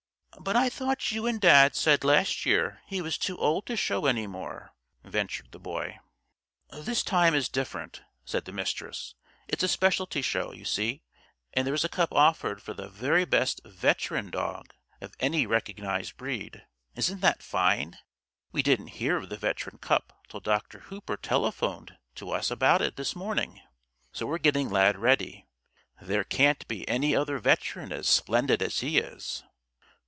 "But I thought you and Dad said last year he was too old to show any more," ventured the Boy. "This time is different," said the Mistress. "It's a specialty show, you see, and there is a cup offered for 'the best veteran dog of any recognized breed.' Isn't that fine? We didn't hear of the Veteran Cup till Dr. Hooper telephoned to us about it this morning. So we're getting Lad ready. There can't be any other veteran as splendid as he is."